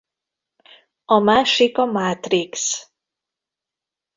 A másik a mátrix.